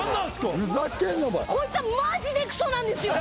こいつはマジでクソなんですよ